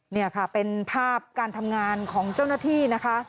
นี่ค่ะเป็นภาพการทำงานของเจ้าหน้าที่นะคะ